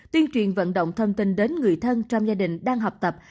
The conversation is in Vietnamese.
tuyên truyền vận động thông tin đến người thân trong gia đình đang học tập